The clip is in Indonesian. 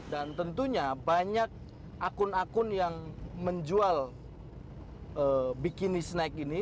tentunya banyak akun akun yang menjual bikini snack ini